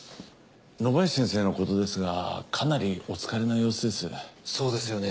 野林先生のことですがかなりお疲れの様子です。